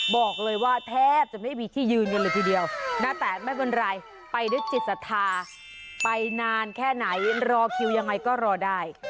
บอกเลยว่าแทบจะไม่มีที่ยืนกันเลยทีเดียวนะแต่ไม่เป็นไรไปด้วยจิตศรัทธาไปนานแค่ไหนรอคิวยังไงก็รอได้